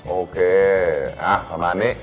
โอเคประมาณนี้